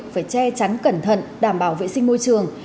phải che chắn cẩn thận đảm bảo vệ sinh môi trường